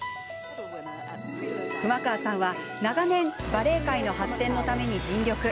熊川さんは、長年バレエ界の発展のために尽力。